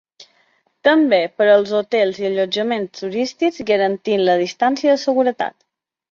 També per als hotels i allotjaments turístics, garantint la distància de seguretat.